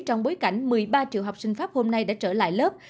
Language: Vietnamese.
trong bối cảnh một mươi ba triệu học sinh pháp hôm nay đã trở lại lớp